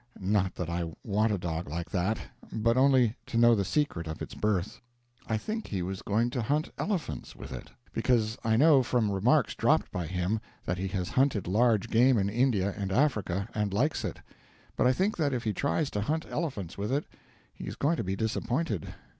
Not that I want a dog like that, but only to know the secret of its birth. I think he was going to hunt elephants with it, because I know, from remarks dropped by him, that he has hunted large game in India and Africa, and likes it. But I think that if he tries to hunt elephants with it, he is going to be disappointed.